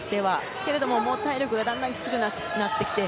けれども、体力がだんだんきつくなってきて。